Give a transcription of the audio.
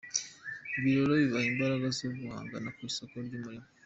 Ibi rero bibaha imbaraga zo guhangana ku isoko ry’umurimo.